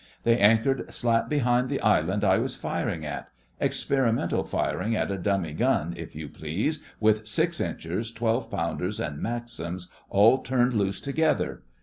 They anchored slap behind the Island I was firing at—experimental firing at a dummy gun, if you please, with six inchers, twelve pounders, and Maxims all turned loose together.